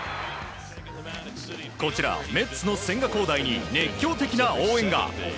こちら、メッツの千賀滉大に熱狂的な応援が。